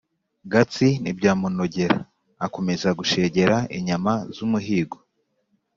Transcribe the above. Gatsi ntibyamunogera; akomeza gushegera inyama z'umuhigo.